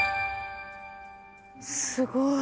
すごい。